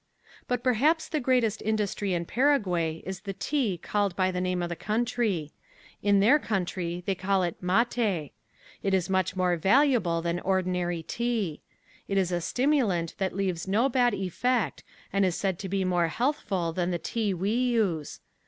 But perhaps the greatest industry in Paraguay is the tea called by the name of the country. In their country they call it "mate." It is much more valuable than ordinary tea. It is a stimulant that leaves no bad effect and is said to be more healthful than the tea we use.